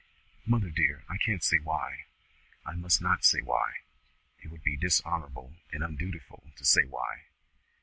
"Mother dear, I can't say why; I must not say why. It would be dishonourable and undutiful to say why."